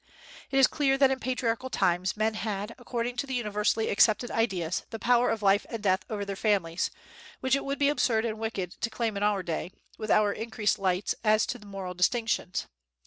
It is clear that in patriarchal times men had, according to universally accepted ideas, the power of life and death over their families, which it would be absurd and wicked to claim in our day, with our increased light as to moral distinctions.